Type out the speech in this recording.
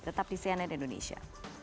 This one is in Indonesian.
tetap di cnn indonesia